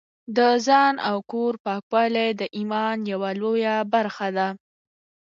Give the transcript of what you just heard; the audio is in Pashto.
د ځان او کور پاکوالی د ایمان یوه لویه برخه ده.